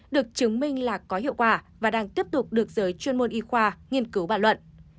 được chứng minh là có hiệu quả và đang tiếp tục được giới chuyên môn y khoa nghiên cứu và luận